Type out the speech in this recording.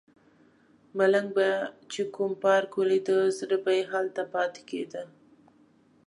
ملنګ به چې کوم پارک ولیده زړه به یې هلته پاتې کیده.